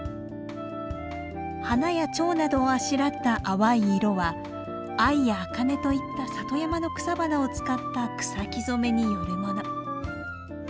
花やチョウなどをあしらった淡い色は藍や茜といった里山の草花を使った草木染めによるもの。